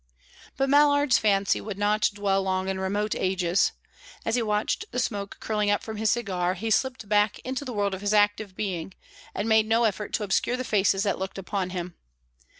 But Mallard's fancy would not dwell long in remote ages As he watched the smoke curling up from his cigar, he slipped back into the world of his active being, and made no effort to obscure the faces that looked upon him.